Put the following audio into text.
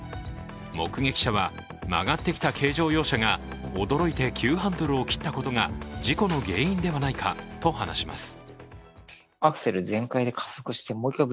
目撃者は曲がってきた軽乗用車が驚いて急ハンドルを切ったことが事故の原因ではないかと話します。